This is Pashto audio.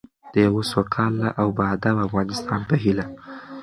د یوه سوکاله او باادبه افغانستان په هیله.